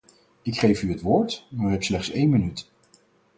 Ik geef u het woord, maar u hebt slechts één minuut.